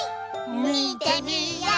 みてみよう！